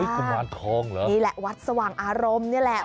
กุมารทองเหรอนี่แหละวัดสว่างอารมณ์นี่แหละ